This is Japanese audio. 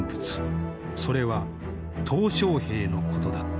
それは小平のことだった。